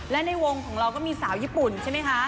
และในวงของเราก็มีสาวญี่ปุ่นใช่ไหมคะ